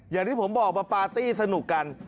อย่างที่ผมบอกมาปาร์ตี้สนุกกัน